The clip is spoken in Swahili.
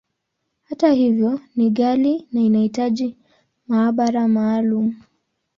Hata hivyo, ni ghali, na inahitaji maabara maalumu.